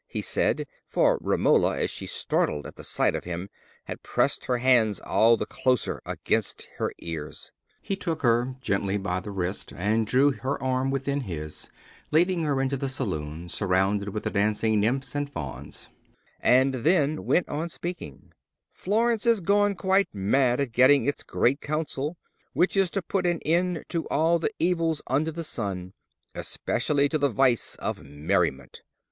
he said; for Romola, as she started at the sight of him, had pressed her hands all the closer against her ears. He took her gently by the wrist, and drew her arm within his, leading her into the saloon surrounded with the dancing nymphs and fauns, and then went on speaking: "Florence is gone quite mad at getting its Great Council, which is to put an end to all the evils under the sun; especially to the vice of merriment.